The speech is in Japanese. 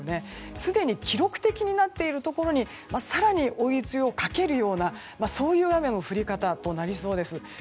すでに記録的になっているところに更に追い打ちをかけるような雨の降り方となりそうです。